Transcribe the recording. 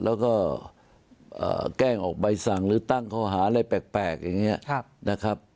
แล้วก็แกล้งออกใบสั่งหรือตั้งข้อหาอะไรแปลกอย่างนี้นะครับ